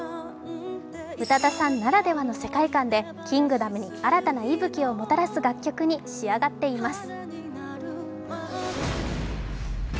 宇多田さんならではの世界観で「キングダム」に新たな息吹をもたらす楽曲に仕上がっています。